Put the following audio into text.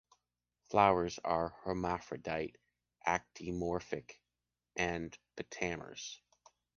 Flowers are hermaphrodite, actinomorphic and pentamers.